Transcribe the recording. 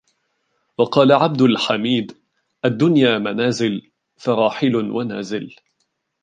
وَقَالَ عَبْدُ الْحَمِيدِ الدُّنْيَا مَنَازِلُ ، فَرَاحِلٌ وَنَازِلٌ